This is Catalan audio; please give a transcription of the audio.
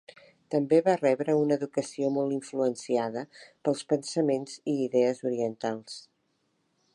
També va rebre una educació molt influenciada pels pensaments i idees orientals.